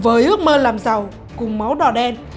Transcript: với ước mơ làm giàu cùng máu đỏ đen